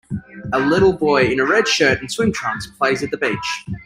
A little boy in a red shirt and swim trunks plays at the beach.